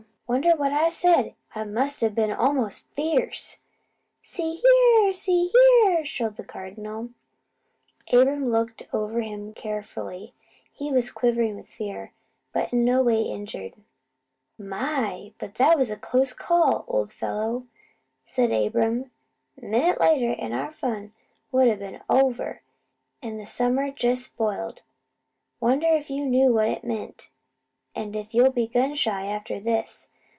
Wonder what I said? I must a been almost FIERCE." "See here! See here!" shrilled the Cardinal. Abram looked him over carefully. He was quivering with fear, but in no way injured. "My! but that was a close call, ol' fellow" said, Abram. "Minute later, an' our fun 'ud a been over, an' the summer jest spoiled. Wonder if you knew what it meant, an' if you'll be gun shy after this.